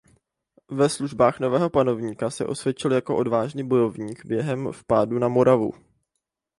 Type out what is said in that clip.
Ve službách nového panovníka se osvědčil jako odvážný bojovník během vpádů na Moravu.